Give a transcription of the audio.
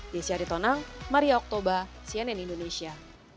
desyari tonang maria oktober cnn indonesia